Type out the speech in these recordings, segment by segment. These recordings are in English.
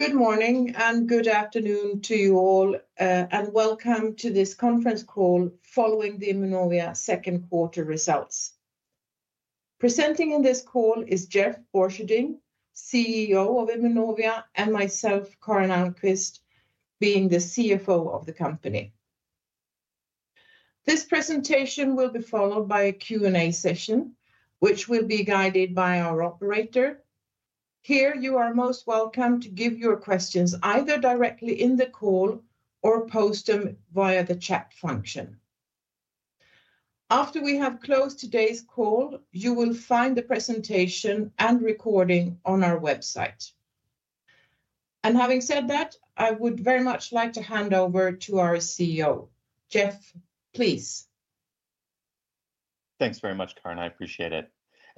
Good morning and good afternoon to you all, and welcome to this conference call following the Immunovia second quarter results. Presenting in this call is Jeff Borcherding, CEO of Immunovia, and myself, Karin Almqvist, being the CFO of the company. This presentation will be followed by a Q&A session, which will be guided by our operator. Here, you are most welcome to give your questions either directly in the call or post them via the chat function. After we have closed today's call, you will find the presentation and recording on our website. And having said that, I would very much like to hand over to our CEO. Jeff, please. Thanks very much, Karin. I appreciate it.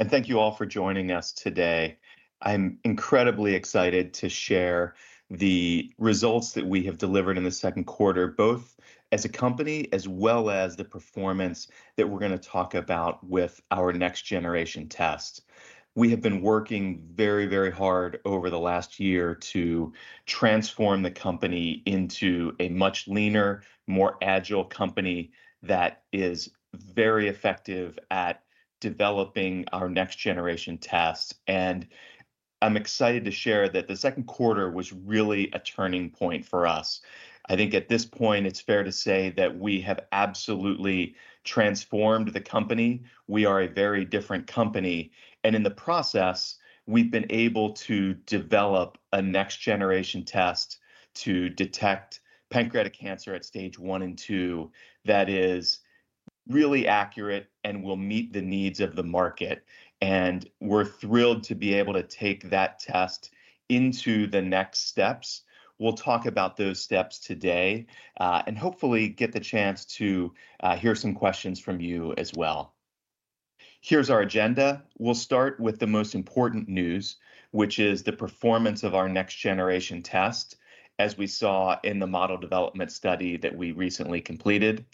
Thank you all for joining us today. I'm incredibly excited to share the results that we have delivered in the second quarter, both as a company as well as the performance that we're going to talk about with our next generation test. We have been working very, very hard over the last year to transform the company into a much leaner, more agile company that is very effective at developing our next generation tests. I'm excited to share that the second quarter was really a turning point for us. I think at this point, it's fair to say that we have absolutely transformed the company. We are a very different company. In the process, we've been able to develop a Next generation test to detect pancreatic cancer at stage 1 and 2 that is really accurate and will meet the needs of the market. We're thrilled to be able to take that test into the next steps. We'll talk about those steps today and hopefully get the chance to hear some questions from you as well. Here's our agenda. We'll start with the most important news, which is the performance of our Next generation test, as we saw in the model development study that we recently completed.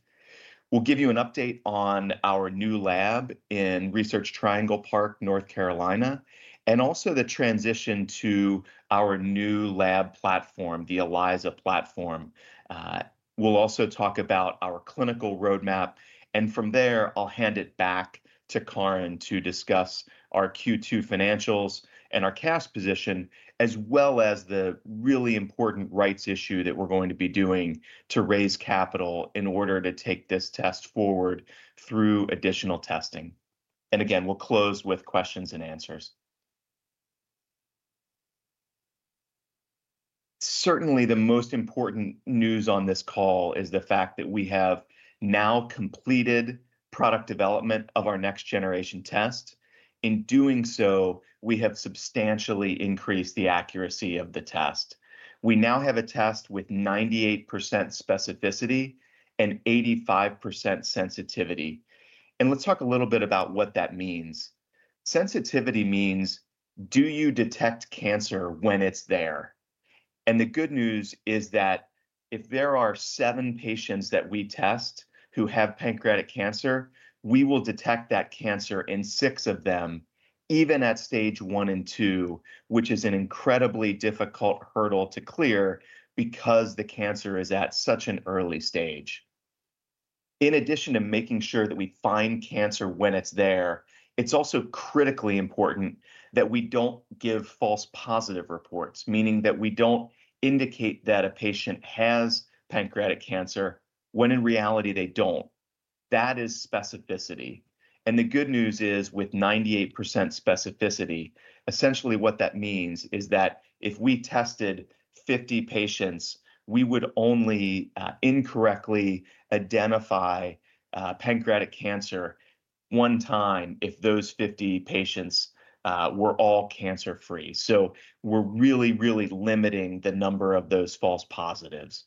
We'll give you an update on our new lab in Research Triangle Park, North Carolina, and also the transition to our new lab platform, the ELISA platform. We'll also talk about our clinical roadmap. From there, I'll hand it back to Karin to discuss our Q2 financials and our cash position, as well as the really important rights issue that we're going to be doing to raise capital in order to take this test forward through additional testing. Again, we'll close with questions and answers. Certainly, the most important news on this call is the fact that we have now completed product development of our next generation test. In doing so, we have substantially increased the accuracy of the test. We now have a test with 98% specificity and 85% sensitivity. Let's talk a little bit about what that means. Sensitivity means, do you detect cancer when it's there? The good news is that if there are 7 patients that we test who have pancreatic cancer, we will detect that cancer in 6 of them, even at stage 1 and 2, which is an incredibly difficult hurdle to clear because the cancer is at such an early stage. In addition to making sure that we find cancer when it's there, it's also critically important that we don't give false positive reports, meaning that we don't indicate that a patient has pancreatic cancer when in reality they don't. That is specificity. The good news is with 98% specificity, essentially what that means is that if we tested 50 patients, we would only incorrectly identify pancreatic cancer 1 time if those 50 patients were all cancer-free. We're really, really limiting the number of those false positives.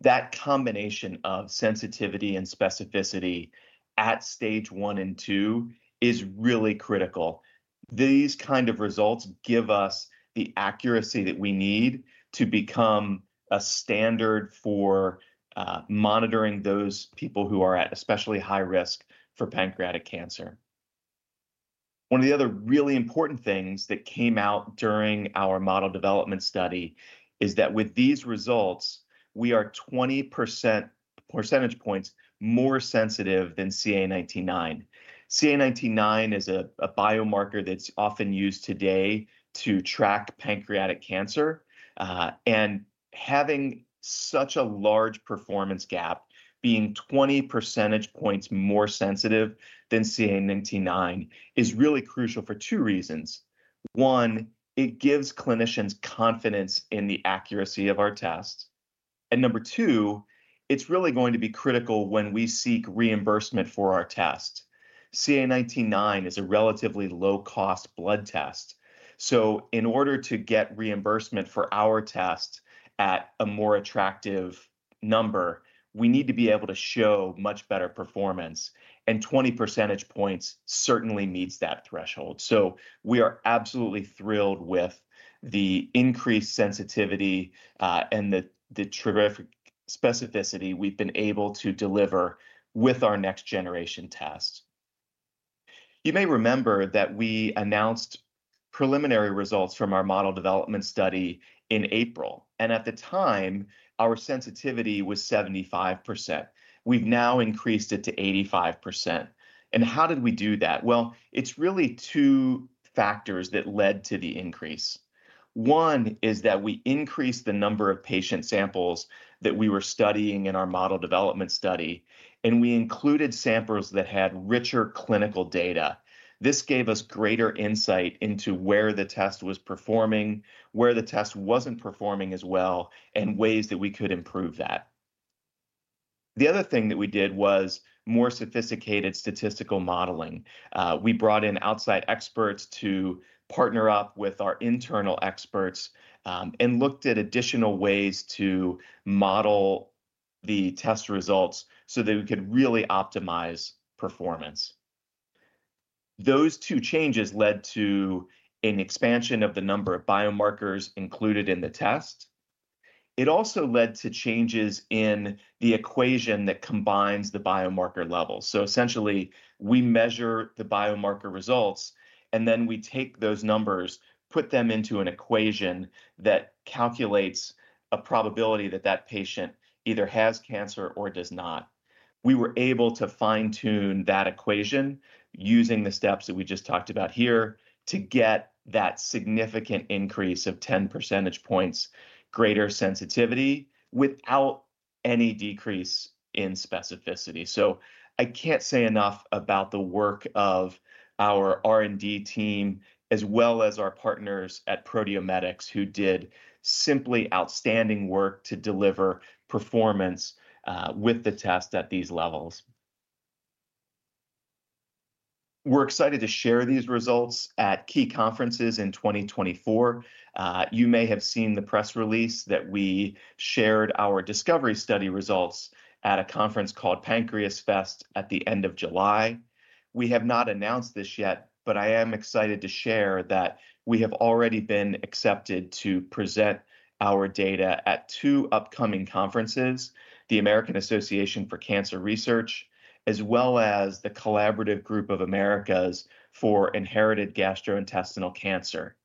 That combination of sensitivity and specificity at stage one and two is really critical. These kind of results give us the accuracy that we need to become a standard for monitoring those people who are at especially high risk for pancreatic cancer. One of the other really important things that came out during our model development study is that with these results, we are 20 percentage points more sensitive than CA 19-9. CA 19-9 is a biomarker that's often used today to track pancreatic cancer. Having such a large performance gap, being 20 percentage points more sensitive than CA 19-9, is really crucial for two reasons. One, it gives clinicians confidence in the accuracy of our tests. And number two, it's really going to be critical when we seek reimbursement for our test. CA 19-9 is a relatively low-cost blood test. So in order to get reimbursement for our test at a more attractive number, we need to be able to show much better performance. And 20 percentage points certainly meets that threshold. So we are absolutely thrilled with the increased sensitivity and the specificity we've been able to deliver with our next generation test. You may remember that we announced preliminary results from our model development study in April. And at the time, our sensitivity was 75%. We've now increased it to 85%. And how did we do that? Well, it's really two factors that led to the increase. One is that we increased the number of patient samples that we were studying in our model development study, and we included samples that had richer clinical data. This gave us greater insight into where the test was performing, where the test wasn't performing as well, and ways that we could improve that. The other thing that we did was more sophisticated statistical modeling. We brought in outside experts to partner up with our internal experts and looked at additional ways to model the test results so that we could really optimize performance. Those two changes led to an expansion of the number of biomarkers included in the test. It also led to changes in the equation that combines the biomarker levels. So essentially, we measure the biomarker results, and then we take those numbers, put them into an equation that calculates a probability that that patient either has cancer or does not. We were able to fine-tune that equation using the steps that we just talked about here to get that significant increase of 10 percentage points, greater sensitivity without any decrease in specificity. So I can't say enough about the work of our R&D team as well as our partners at Proteomedix who did simply outstanding work to deliver performance with the test at these levels. We're excited to share these results at key conferences in 2024. You may have seen the press release that we shared our discovery study results at a conference called PancreasFest at the end of July. We have not announced this yet, but I am excited to share that we have already been accepted to present our data at two upcoming conferences, the American Association for Cancer Research, as well as the Collaborative Group of the Americas on Inherited Gastrointestinal Cancer.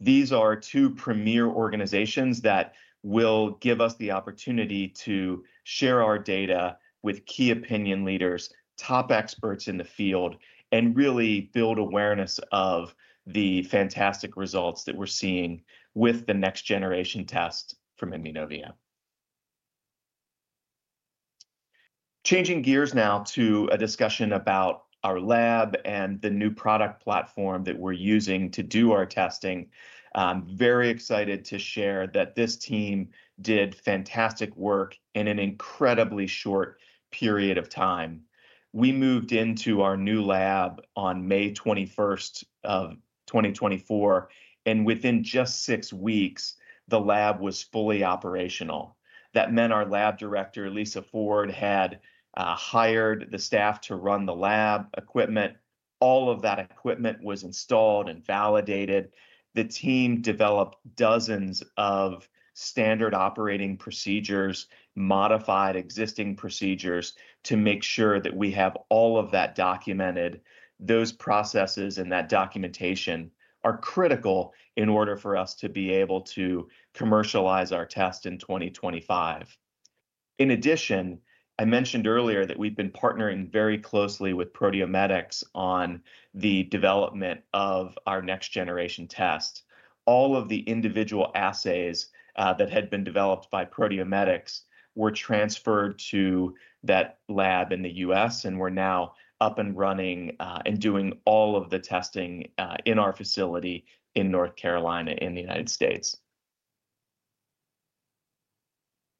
These are two premier organizations that will give us the opportunity to share our data with key opinion leaders, top experts in the field, and really build awareness of the fantastic results that we're seeing with the next generation test from Immunovia. Changing gears now to a discussion about our lab and the new product platform that we're using to do our testing. Very excited to share that this team did fantastic work in an incredibly short period of time. We moved into our new lab on May 21st of 2024, and within just six weeks, the lab was fully operational. That meant our lab director, Lisa Ford, had hired the staff to run the lab equipment. All of that equipment was installed and validated. The team developed dozens of standard operating procedures, modified existing procedures to make sure that we have all of that documented. Those processes and that documentation are critical in order for us to be able to commercialize our test in 2025. In addition, I mentioned earlier that we've been partnering very closely with Proteomedix on the development of our next generation test. All of the individual assays that had been developed by Proteomedix were transferred to that lab in the U.S. and we're now up and running and doing all of the testing in our facility in North Carolina in the United States.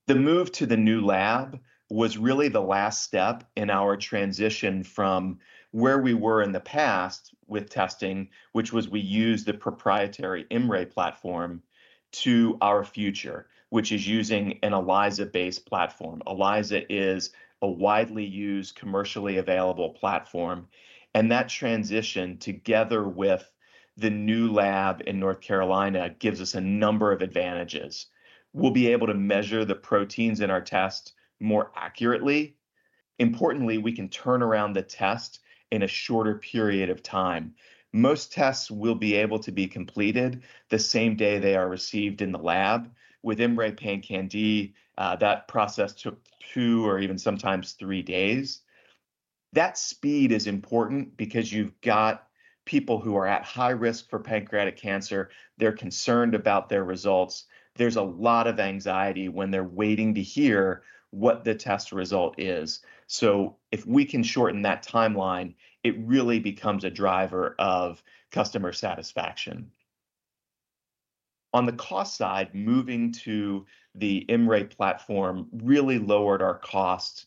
The move to the new lab was really the last step in our transition from where we were in the past with testing, which was we used the proprietary IMMray platform, to our future, which is using an ELISA-based platform. ELISA is a widely used, commercially available platform. That transition, together with the new lab in North Carolina, gives us a number of advantages. We'll be able to measure the proteins in our test more accurately. Importantly, we can turn around the test in a shorter period of time. Most tests will be able to be completed the same day they are received in the lab. With IMMray PanCan-d, that process took two or even sometimes three days. That speed is important because you've got people who are at high risk for pancreatic cancer. They're concerned about their results. There's a lot of anxiety when they're waiting to hear what the test result is. So if we can shorten that timeline, it really becomes a driver of customer satisfaction. On the cost side, moving to the IMMray platform really lowered our costs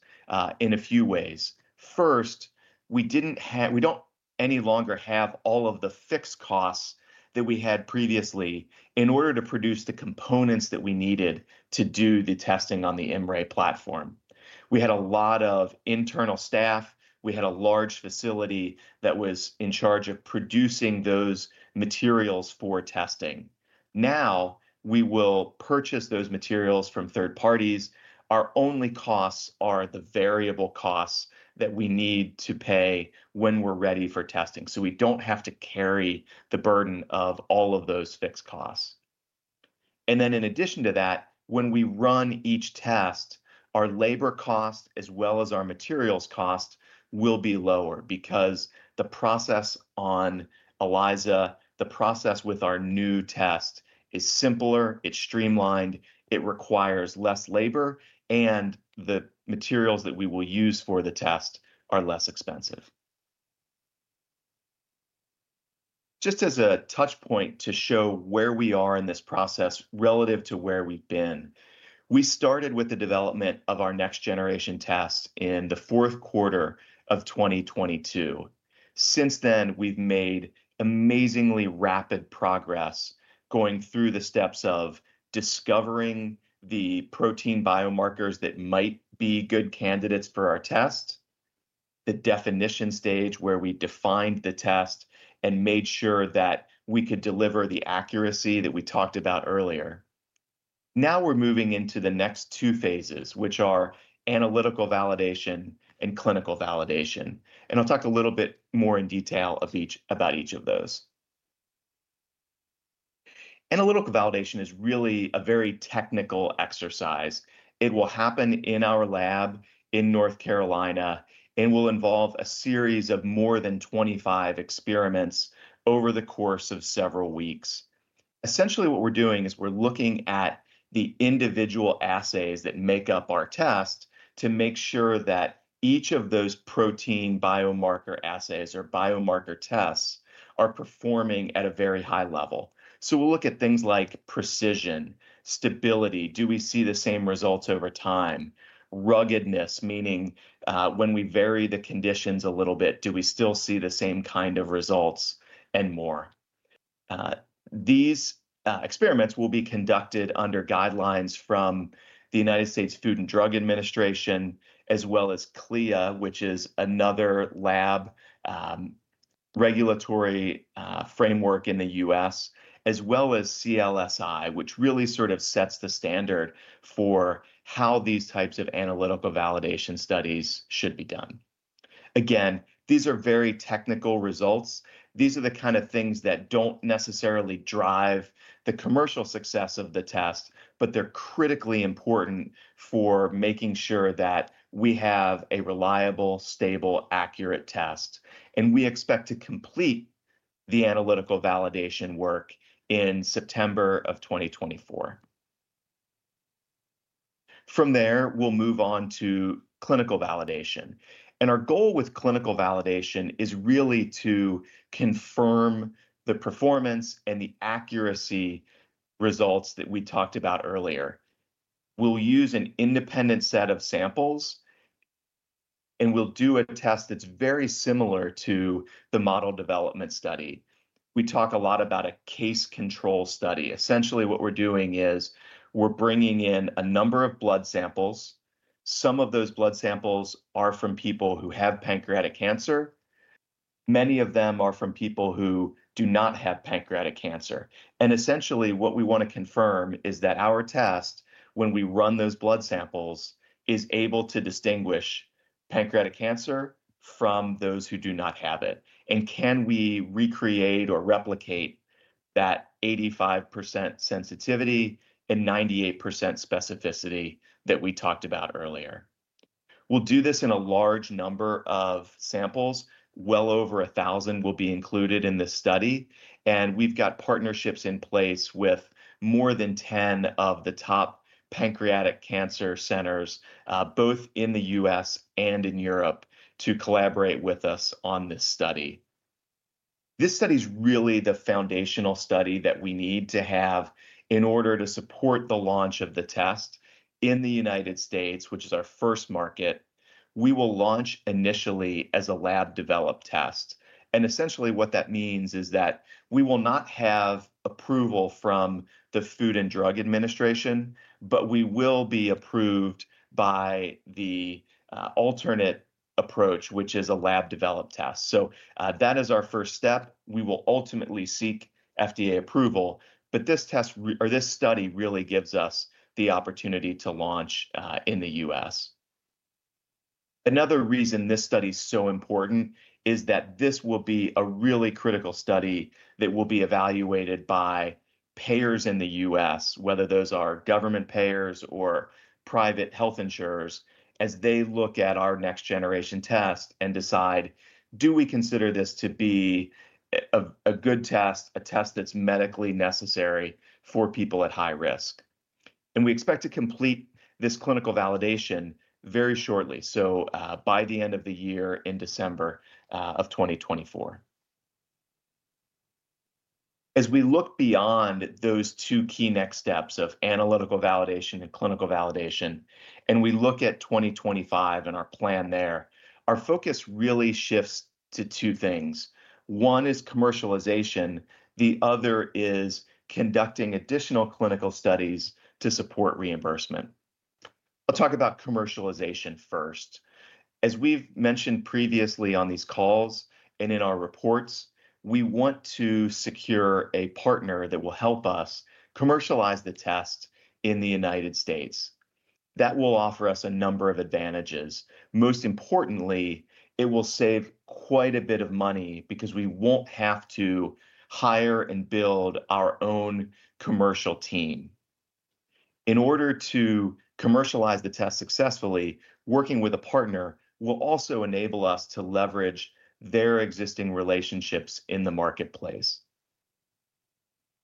in a few ways. First, we no longer have all of the fixed costs that we had previously in order to produce the components that we needed to do the testing on the IMMray platform. We had a lot of internal staff. We had a large facility that was in charge of producing those materials for testing. Now we will purchase those materials from third parties. Our only costs are the variable costs that we need to pay when we're ready for testing. So we don't have to carry the burden of all of those fixed costs. And then in addition to that, when we run each test, our labor cost as well as our materials cost will be lower because the process on ELISA, the process with our new test is simpler, it's streamlined, it requires less labor, and the materials that we will use for the test are less expensive. Just as a touchpoint to show where we are in this process relative to where we've been, we started with the development of our next generation test in the fourth quarter of 2022. Since then, we've made amazingly rapid progress going through the steps of discovering the protein biomarkers that might be good candidates for our test, the definition stage where we defined the test and made sure that we could deliver the accuracy that we talked about earlier. Now we're moving into the next two phases, which are analytical validation and clinical validation. I'll talk a little bit more in detail about each of those. Analytical validation is really a very technical exercise. It will happen in our lab in North Carolina and will involve a series of more than 25 experiments over the course of several weeks. Essentially, what we're doing is we're looking at the individual assays that make up our test to make sure that each of those protein biomarker assays or biomarker tests are performing at a very high level. So we'll look at things like precision, stability, do we see the same results over time, ruggedness, meaning when we vary the conditions a little bit, do we still see the same kind of results and more. These experiments will be conducted under guidelines from the U.S. Food and Drug Administration as well as CLIA, which is another lab regulatory framework in the US, as well as CLSI, which really sort of sets the standard for how these types of analytical validation studies should be done. Again, these are very technical results. These are the kind of things that don't necessarily drive the commercial success of the test, but they're critically important for making sure that we have a reliable, stable, accurate test. We expect to complete the analytical validation work in September of 2024. From there, we'll move on to clinical validation. Our goal with clinical validation is really to confirm the performance and the accuracy results that we talked about earlier. We'll use an independent set of samples, and we'll do a test that's very similar to the model development study. We talk a lot about a case control study. Essentially, what we're doing is we're bringing in a number of blood samples. Some of those blood samples are from people who have pancreatic cancer. Many of them are from people who do not have pancreatic cancer. Essentially, what we want to confirm is that our test, when we run those blood samples, is able to distinguish pancreatic cancer from those who do not have it. Can we recreate or replicate that 85% sensitivity and 98% specificity that we talked about earlier? We'll do this in a large number of samples. Well over 1,000 will be included in this study. We've got partnerships in place with more than 10 of the top pancreatic cancer centers, both in the U.S. and in Europe, to collaborate with us on this study. This study is really the foundational study that we need to have in order to support the launch of the test in the United States, which is our first market. We will launch initially as a lab-developed test. Essentially, what that means is that we will not have approval from the Food and Drug Administration, but we will be approved by the alternate approach, which is a lab-developed test. So that is our first step. We will ultimately seek FDA approval, but this test or this study really gives us the opportunity to launch in the U.S. Another reason this study is so important is that this will be a really critical study that will be evaluated by payers in the U.S., whether those are government payers or private health insurers, as they look at our next generation test and decide, do we consider this to be a good test, a test that's medically necessary for people at high risk? We expect to complete this clinical validation very shortly, so by the end of the year in December of 2024. As we look beyond those two key next steps of analytical validation and clinical validation, and we look at 2025 and our plan there, our focus really shifts to two things. One is commercialization. The other is conducting additional clinical studies to support reimbursement. I'll talk about commercialization first. As we've mentioned previously on these calls and in our reports, we want to secure a partner that will help us commercialize the test in the United States. That will offer us a number of advantages. Most importantly, it will save quite a bit of money because we won't have to hire and build our own commercial team. In order to commercialize the test successfully, working with a partner will also enable us to leverage their existing relationships in the marketplace.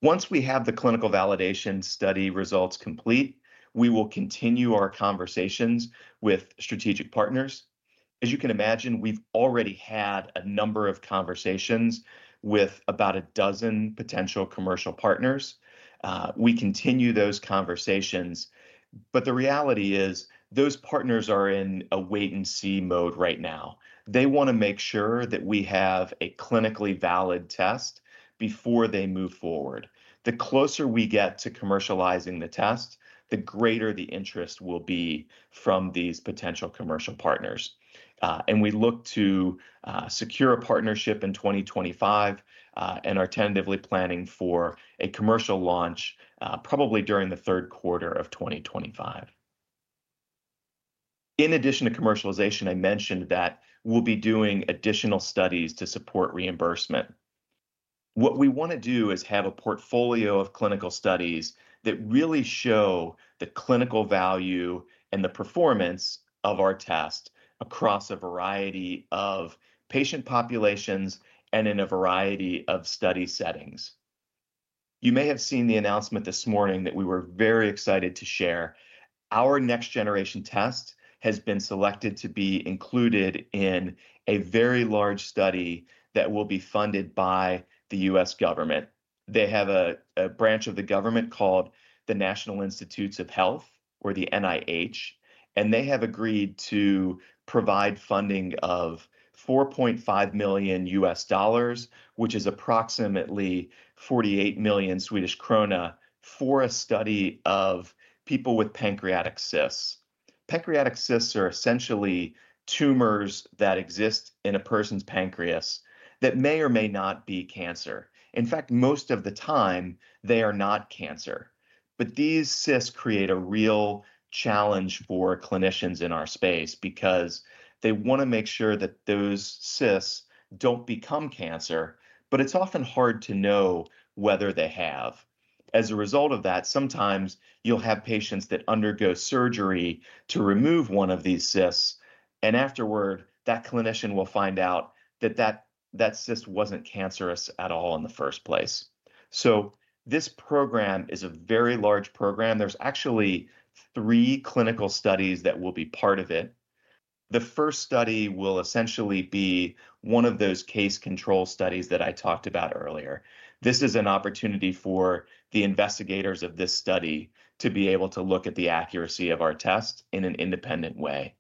Once we have the clinical validation study results complete, we will continue our conversations with strategic partners. As you can imagine, we've already had a number of conversations with about a dozen potential commercial partners. We continue those conversations, but the reality is those partners are in a wait-and-see mode right now. They want to make sure that we have a clinically valid test before they move forward. The closer we get to commercializing the test, the greater the interest will be from these potential commercial partners. We look to secure a partnership in 2025 and are tentatively planning for a commercial launch probably during the third quarter of 2025. In addition to commercialization, I mentioned that we'll be doing additional studies to support reimbursement. What we want to do is have a portfolio of clinical studies that really show the clinical value and the performance of our test across a variety of patient populations and in a variety of study settings. You may have seen the announcement this morning that we were very excited to share. Our next generation test has been selected to be included in a very large study that will be funded by the U.S. government. They have a branch of the government called the National Institutes of Health, or the NIH, and they have agreed to provide funding of $4.5 million, which is approximately 48 million Swedish krona for a study of people with pancreatic cysts. Pancreatic cysts are essentially tumors that exist in a person's pancreas that may or may not be cancer. In fact, most of the time, they are not cancer. But these cysts create a real challenge for clinicians in our space because they want to make sure that those cysts don't become cancer, but it's often hard to know whether they have. As a result of that, sometimes you'll have patients that undergo surgery to remove one of these cysts, and afterward, that clinician will find out that that cyst wasn't cancerous at all in the first place. So this program is a very large program. There's actually three clinical studies that will be part of it. The first study will essentially be one of those case control studies that I talked about earlier. This is an opportunity for the investigators of this study to be able to look at the accuracy of our test in an independent way.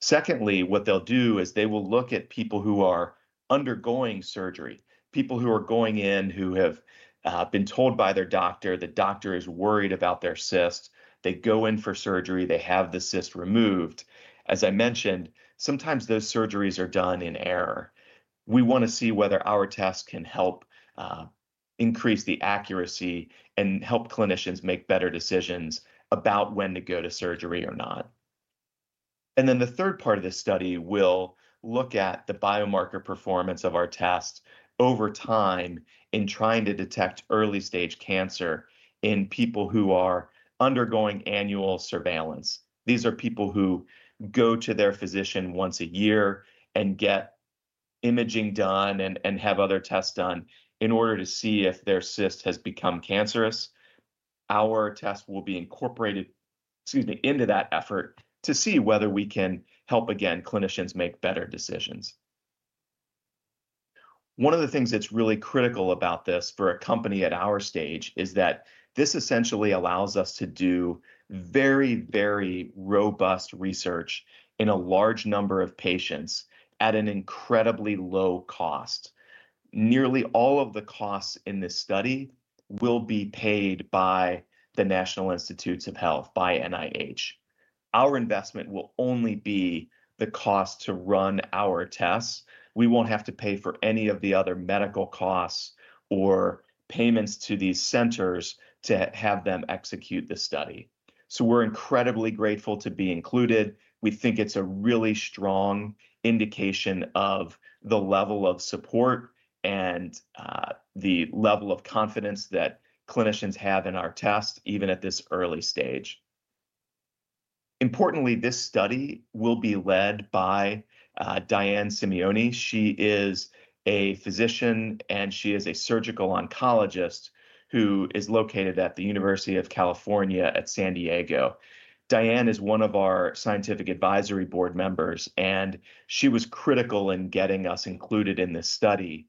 Secondly, what they'll do is they will look at people who are undergoing surgery, people who are going in who have been told by their doctor, the doctor is worried about their cyst. They go in for surgery. They have the cyst removed. As I mentioned, sometimes those surgeries are done in error. We want to see whether our test can help increase the accuracy and help clinicians make better decisions about when to go to surgery or not. And then the third part of this study will look at the biomarker performance of our test over time in trying to detect early-stage cancer in people who are undergoing annual surveillance. These are people who go to their physician once a year and get imaging done and have other tests done in order to see if their cyst has become cancerous. Our test will be incorporated, excuse me, into that effort to see whether we can help, again, clinicians make better decisions. One of the things that's really critical about this for a company at our stage is that this essentially allows us to do very, very robust research in a large number of patients at an incredibly low cost. Nearly all of the costs in this study will be paid by the National Institutes of Health, by NIH. Our investment will only be the cost to run our tests. We won't have to pay for any of the other medical costs or payments to these centers to have them execute the study. So we're incredibly grateful to be included. We think it's a really strong indication of the level of support and the level of confidence that clinicians have in our test, even at this early stage. Importantly, this study will be led by Diane Simeone. She is a physician, and she is a surgical oncologist who is located at the University of California at San Diego. Diane is one of our scientific advisory board members, and she was critical in getting us included in this study.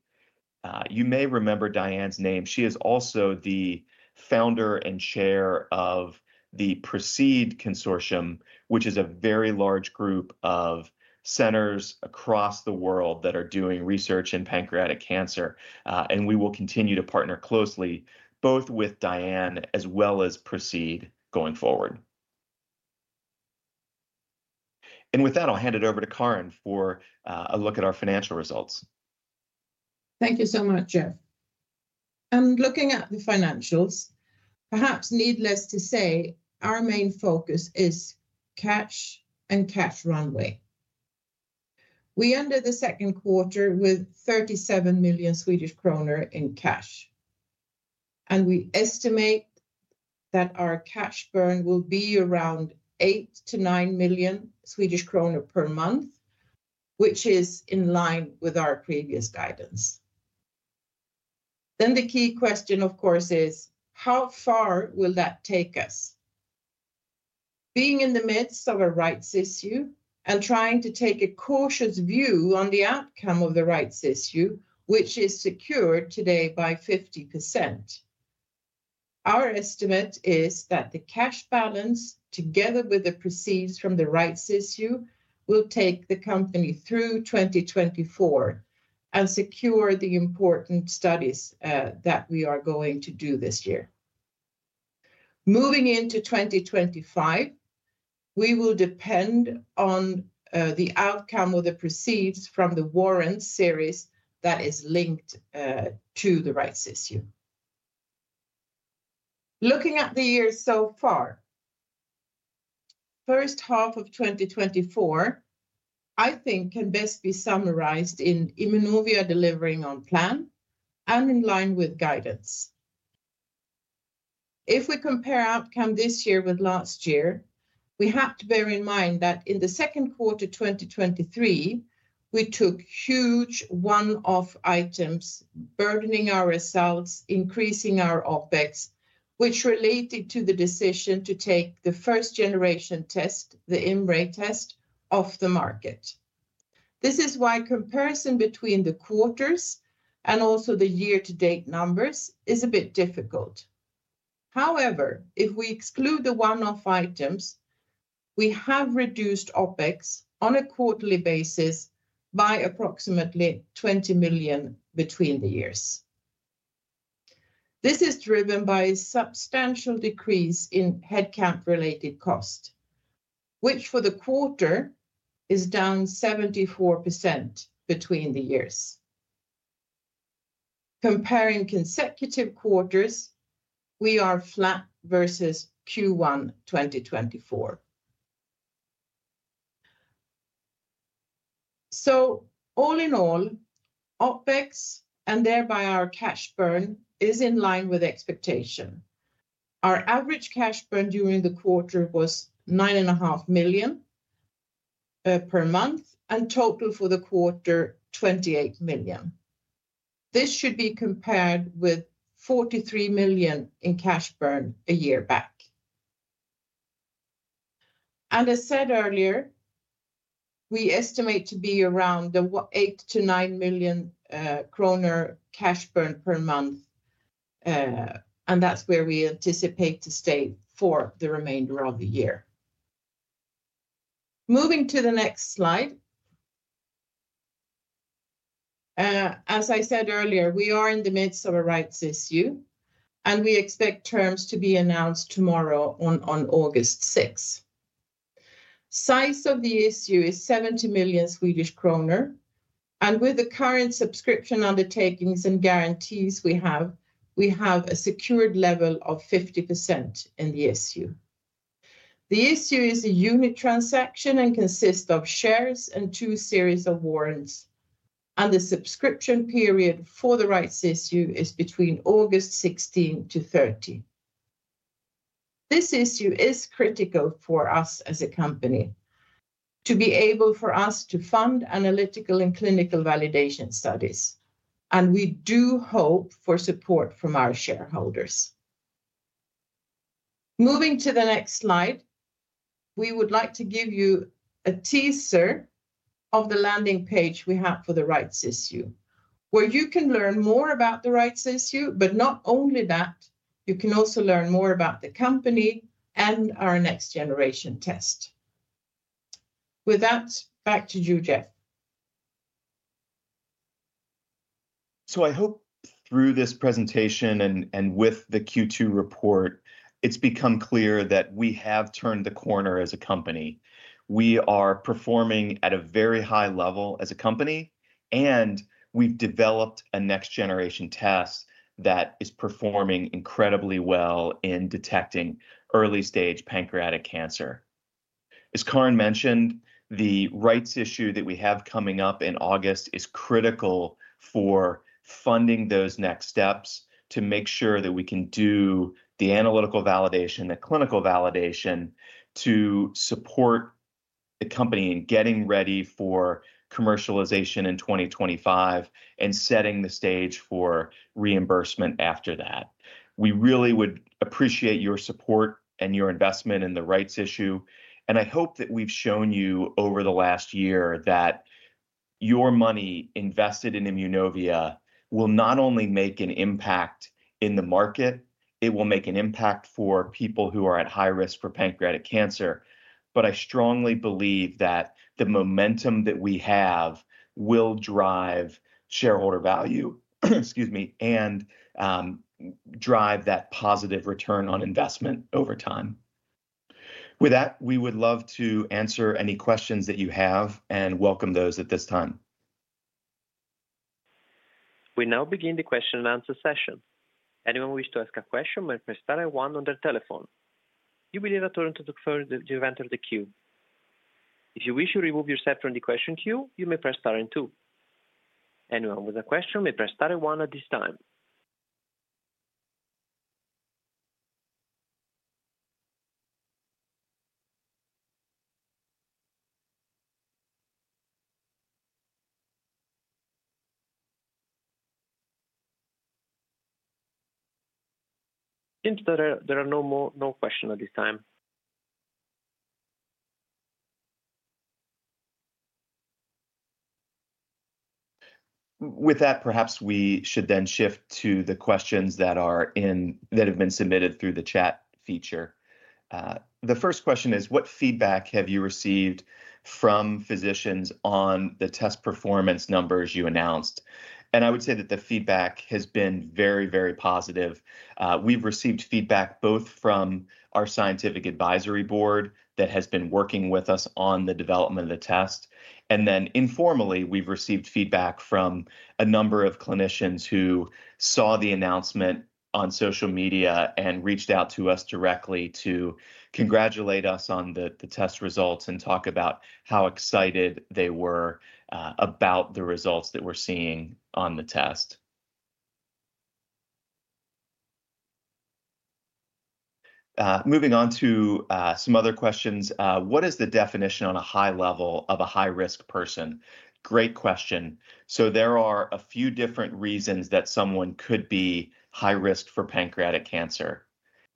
You may remember Diane's name. She is also the founder and chair of the PRECEDE Consortium, which is a very large group of centers across the world that are doing research in pancreatic cancer. And we will continue to partner closely both with Diane as well as PRECEDE going forward. And with that, I'll hand it over to Karin for a look at our financial results. Thank you so much, Jeff. And looking at the financials, perhaps needless to say, our main focus is cash and cash runway. We ended the second quarter with 37 million Swedish kronor in cash. And we estimate that our cash burn will be around 8-9 million Swedish kronor per month, which is in line with our previous guidance. Then the key question, of course, is how far will that take us? Being in the midst of a rights issue and trying to take a cautious view on the outcome of the rights issue, which is secured today by 50%, our estimate is that the cash balance, together with the proceeds from the rights issue, will take the company through 2024 and secure the important studies that we are going to do this year. Moving into 2025, we will depend on the outcome of the proceeds from the warrant series that is linked to the rights issue. Looking at the year so far, the first half of 2024, I think, can best be summarized in Immunovia delivering on plan and in line with guidance. If we compare outcome this year with last year, we have to bear in mind that in the second quarter 2023, we took huge one-off items burdening our results, increasing our OpEx, which related to the decision to take the first-generation test, the IMMray test, off the market. This is why comparison between the quarters and also the year-to-date numbers is a bit difficult. However, if we exclude the one-off items, we have reduced OpEx on a quarterly basis by approximately 20 million between the years. This is driven by a substantial decrease in headcount-related cost, which for the quarter is down 74% between the years. Comparing consecutive quarters, we are flat versus Q1 2024. So all in all, OpEx and thereby our cash burn is in line with expectation. Our average cash burn during the quarter was 9.5 million per month and total for the quarter, 28 million. This should be compared with 43 million in cash burn a year back. As said earlier, we estimate to be around 8 million-9 million kronor cash burn per month, and that's where we anticipate to stay for the remainder of the year. Moving to the next slide. As I said earlier, we are in the midst of a rights issue, and we expect terms to be announced tomorrow on August 6. Size of the issue is 70 million Swedish kronor, and with the current subscription undertakings and guarantees we have, we have a secured level of 50% in the issue. The issue is a unit transaction and consists of shares and two series of warrants, and the subscription period for the rights issue is between August 16-30. This issue is critical for us as a company to be able for us to fund analytical and clinical validation studies, and we do hope for support from our shareholders. Moving to the next slide, we would like to give you a teaser of the landing page we have for the Rights issue, where you can learn more about the Rights issue, but not only that, you can also learn more about the company and our next-generation test. With that, back to you, Jeff. So I hope through this presentation and with the Q2 report, it's become clear that we have turned the corner as a company. We are performing at a very high level as a company, and we've developed a next-generation test that is performing incredibly well in detecting early-stage pancreatic cancer. As Karin mentioned, the rights issue that we have coming up in August is critical for funding those next steps to make sure that we can do the analytical validation, the clinical validation to support the company in getting ready for commercialization in 2025 and setting the stage for reimbursement after that. We really would appreciate your support and your investment in the rights issue, and I hope that we've shown you over the last year that your money invested in Immunovia will not only make an impact in the market, it will make an impact for people who are at high risk for pancreatic cancer. But I strongly believe that the momentum that we have will drive shareholder value, excuse me, and drive that positive return on investment over time. With that, we would love to answer any questions that you have and welcome those at this time. We now begin the question-and-answer session. Anyone wish to ask a question may press star one on their telephone. You will hear a tone indicating your position in the queue. If you wish to remove yourself from the question queue, you may press star two. Anyone with a question may press star one at this time. Seems that there are no questions at this time. With that, perhaps we should then shift to the questions that have been submitted through the chat feature. The first question is, what feedback have you received from physicians on the test performance numbers you announced? And I would say that the feedback has been very, very positive. We've received feedback both from our scientific advisory board that has been working with us on the development of the test, and then informally, we've received feedback from a number of clinicians who saw the announcement on social media and reached out to us directly to congratulate us on the test results and talk about how excited they were about the results that we're seeing on the test. Moving on to some other questions. What is the definition on a high level of a high-risk person? Great question. So there are a few different reasons that someone could be high risk for pancreatic cancer.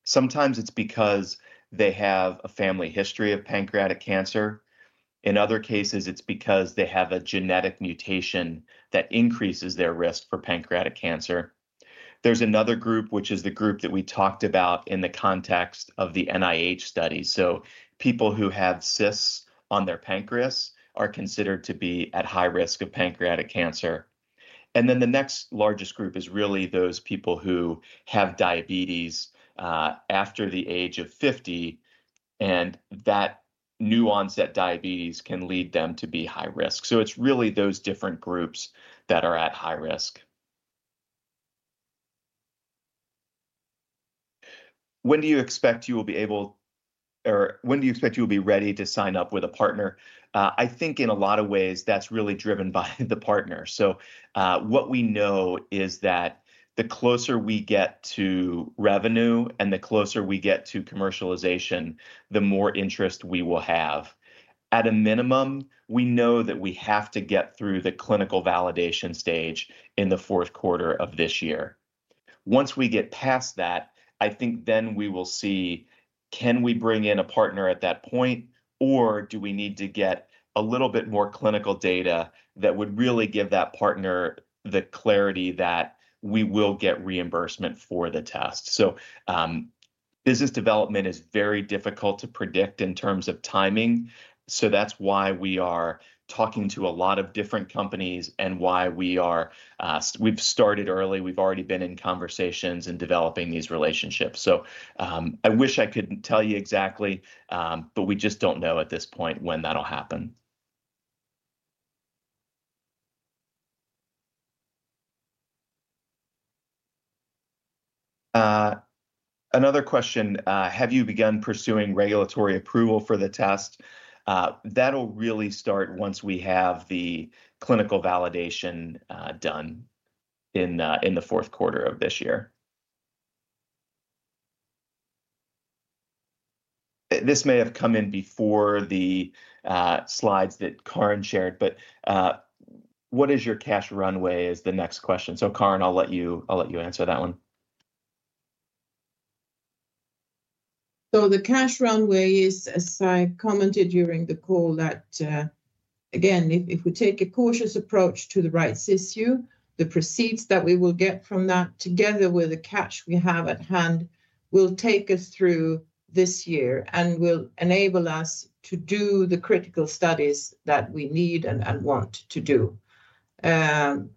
Sometimes it's because they have a family history of pancreatic cancer. In other cases, it's because they have a genetic mutation that increases their risk for pancreatic cancer. There's another group, which is the group that we talked about in the context of the NIH study. People who have cysts on their pancreas are considered to be at high risk of pancreatic cancer. Then the next largest group is really those people who have diabetes after the age of 50, and that new onset diabetes can lead them to be high risk. It's really those different groups that are at high risk. When do you expect you will be able, or when do you expect you will be ready to sign up with a partner? I think in a lot of ways, that's really driven by the partner. So what we know is that the closer we get to revenue and the closer we get to commercialization, the more interest we will have. At a minimum, we know that we have to get through the clinical validation stage in the fourth quarter of this year. Once we get past that, I think then we will see, can we bring in a partner at that point, or do we need to get a little bit more clinical data that would really give that partner the clarity that we will get reimbursement for the test? So business development is very difficult to predict in terms of timing. So that's why we are talking to a lot of different companies and why we've started early. We've already been in conversations and developing these relationships. So I wish I could tell you exactly, but we just don't know at this point when that'll happen. Another question. Have you begun pursuing regulatory approval for the test? That'll really start once we have the clinical validation done in the fourth quarter of this year. This may have come in before the slides that Karin shared, but what is your cash runway is the next question. So Karin, I'll let you answer that one. The cash runway is, as I commented during the call, that, again, if we take a cautious approach to the rights issue, the proceeds that we will get from that, together with the cash we have at hand, will take us through this year and will enable us to do the critical studies that we need and want to do. And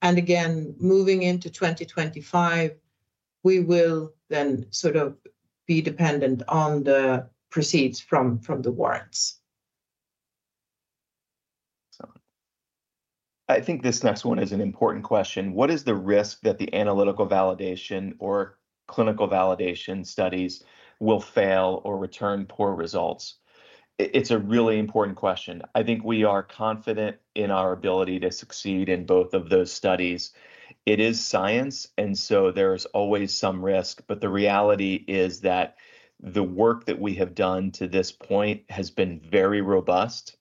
again, moving into 2025, we will then sort of be dependent on the proceeds from the warrants. I think this next one is an important question. What is the risk that the analytical validation or clinical validation studies will fail or return poor results? It's a really important question. I think we are confident in our ability to succeed in both of those studies. It is science, and so there is always some risk, but the reality is that the work that we have done to this point has been very robust.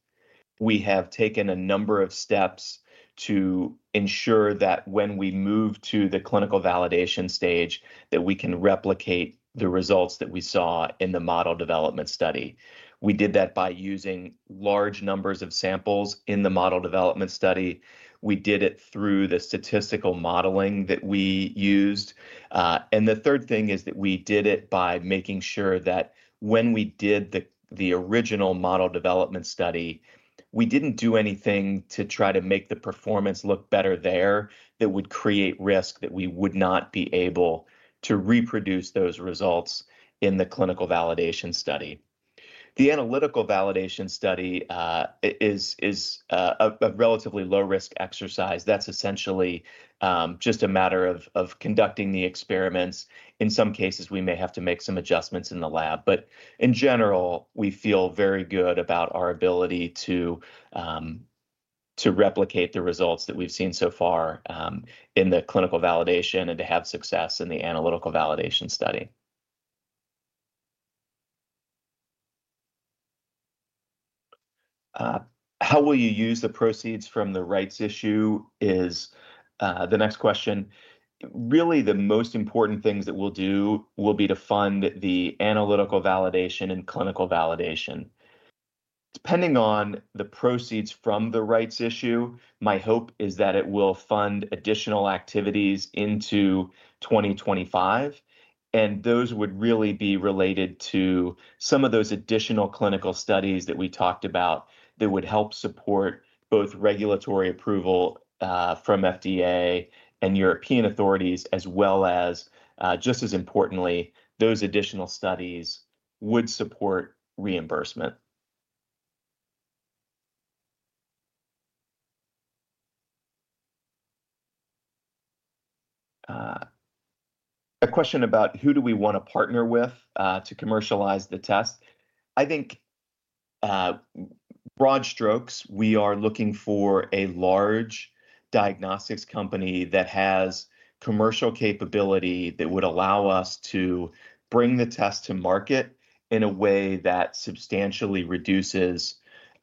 We have taken a number of steps to ensure that when we move to the clinical validation stage, that we can replicate the results that we saw in the model development study. We did that by using large numbers of samples in the model development study. We did it through the statistical modeling that we used. The third thing is that we did it by making sure that when we did the original model development study, we didn't do anything to try to make the performance look better there that would create risk that we would not be able to reproduce those results in the clinical validation study. The analytical validation study is a relatively low-risk exercise. That's essentially just a matter of conducting the experiments. In some cases, we may have to make some adjustments in the lab. But in general, we feel very good about our ability to replicate the results that we've seen so far in the clinical validation and to have success in the analytical validation study. "How will you use the proceeds from the rights issue" is the next question. Really, the most important things that we'll do will be to fund the analytical validation and clinical validation. Depending on the proceeds from the rights issue, my hope is that it will fund additional activities into 2025, and those would really be related to some of those additional clinical studies that we talked about that would help support both regulatory approval from FDA and European authorities, as well as, just as importantly, those additional studies would support reimbursement. A question about who do we want to partner with to commercialize the test? I think, broad strokes, we are looking for a large diagnostics company that has commercial capability that would allow us to bring the test to market in a way that substantially reduces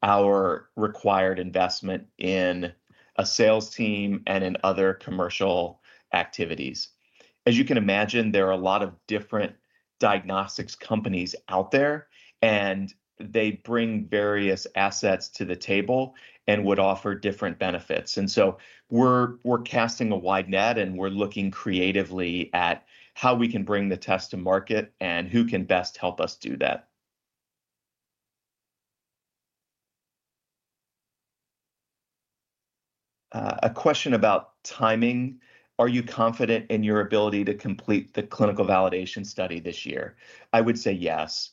our required investment in a sales team and in other commercial activities. As you can imagine, there are a lot of different diagnostics companies out there, and they bring various assets to the table and would offer different benefits. We're casting a wide net, and we're looking creatively at how we can bring the test to market and who can best help us do that. A question about timing. Are you confident in your ability to complete the clinical validation study this year? I would say yes.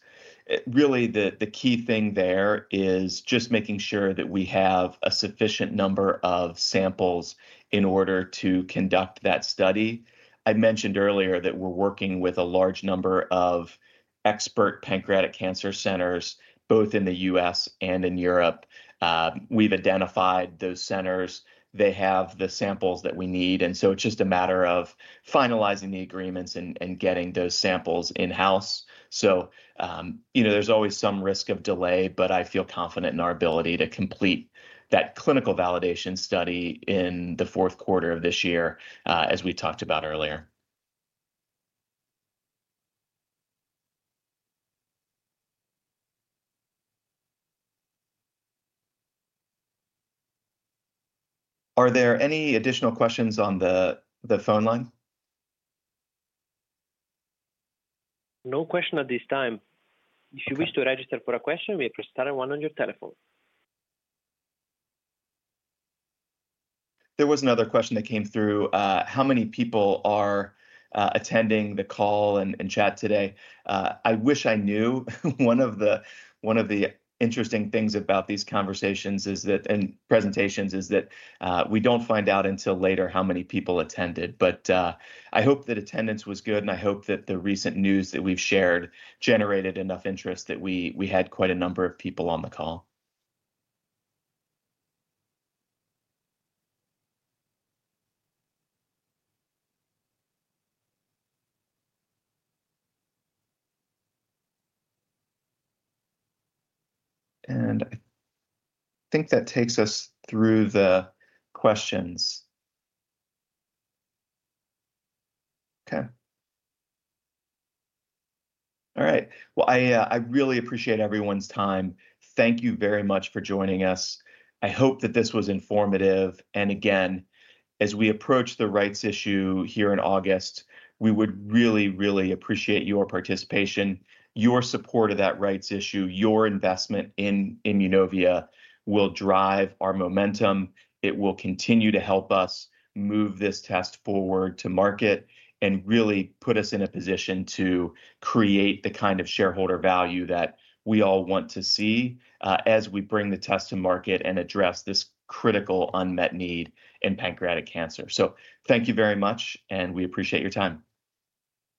Really, the key thing there is just making sure that we have a sufficient number of samples in order to conduct that study. I mentioned earlier that we're working with a large number of expert pancreatic cancer centers, both in the U.S. and in Europe. We've identified those centers. They have the samples that we need. It's just a matter of finalizing the agreements and getting those samples in-house. So there's always some risk of delay, but I feel confident in our ability to complete that clinical validation study in the fourth quarter of this year, as we talked about earlier. Are there any additional questions on the phone line? No question at this time. If you wish to register for a question, please press star one on your telephone. There was another question that came through. How many people are attending the call and chat today? I wish I knew. One of the interesting things about these conversations and presentations is that we don't find out until later how many people attended. But I hope that attendance was good, and I hope that the recent news that we've shared generated enough interest that we had quite a number of people on the call. And I think that takes us through the questions. Okay. All right. Well, I really appreciate everyone's time. Thank you very much for joining us. I hope that this was informative. Again, as we approach the rights issue here in August, we would really, really appreciate your participation, your support of that rights issue. Your investment in Immunovia will drive our momentum. It will continue to help us move this test forward to market and really put us in a position to create the kind of shareholder value that we all want to see as we bring the test to market and address this critical unmet need in pancreatic cancer. So thank you very much, and we appreciate your time.